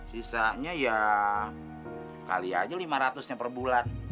sisanya ya kali aja lima ratus nya per bulan